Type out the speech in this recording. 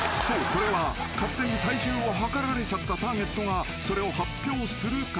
これは勝手に体重を量られちゃったターゲットがそれを発表するか？